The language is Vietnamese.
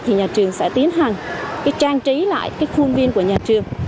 thì nhà trường sẽ tiến hành trang trí lại cái khuôn viên của nhà trường